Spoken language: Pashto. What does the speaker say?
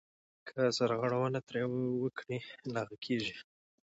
که سرغړونه ترې وکړې ناغه کېږې .